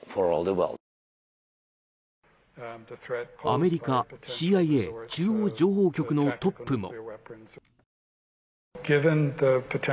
アメリカＣＩＡ・中央情報局のトップも。